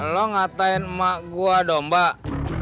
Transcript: lu ngatain emak gua dong mbak